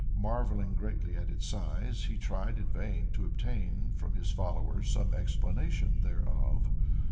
Marvelling greatly at its size, he tried in vain to obtain from his followers some explanation thereof.